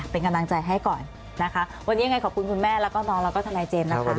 เป็นกำลังใจให้ก่อนนะคะวันนี้ยังไงขอบคุณคุณแม่แล้วก็น้องแล้วก็ทนายเจมส์นะคะ